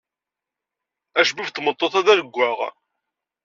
Acebbub n tmeṭṭut-a d aleggɣan.